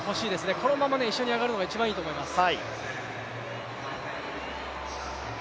このまま一緒に上がるのが一番いいと思います。